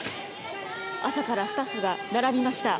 朝からスタッフが並びました。